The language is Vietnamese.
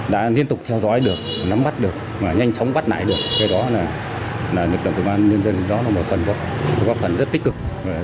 đã liên tục theo dõi được nắm bắt được nhanh chóng bắt nải được cái đó là lực lượng công an nhân dân đó là một phần rất tích cực